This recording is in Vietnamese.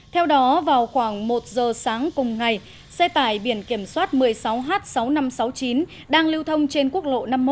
theo đó vào khoảng một giờ sáng cùng ngày xe tải biển kiểm soát một mươi sáu h sáu nghìn năm trăm sáu mươi chín đang lưu thông trên quốc lộ năm mươi một